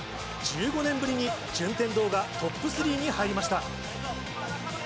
１５年ぶりに順天堂がトップ３に入りました。